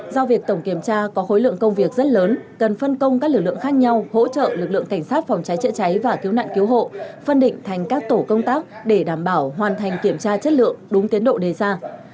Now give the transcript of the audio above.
do việc tổng kiểm tra có khối lượng công việc rất lớn cần phân công các lực lượng khác nhau hỗ trợ lực lượng cảnh sát phòng cháy chữa cháy và cứu nạn cứu hộ phân định thành các tổ công tác để đảm bảo hoàn thành kiểm tra chất lượng đúng tiến độ đề ra